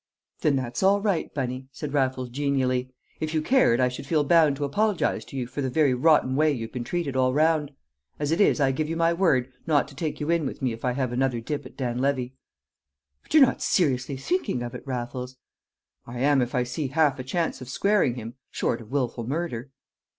"Then that's all right, Bunny," said Raffles genially. "If you cared I should feel bound to apologise to you for the very rotten way you've been treated all round; as it is I give you my word not to take you in with me if I have another dip at Dan Levy." "But you're not seriously thinking of it, Raffles?" "I am if I see half a chance of squaring him short of wilful murder."